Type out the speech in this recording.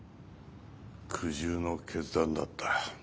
苦渋の決断だった。